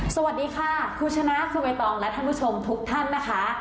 สวัสดีค่ะคุชนะสวัสดีท่องรด้านชมทุกท่านนะคะ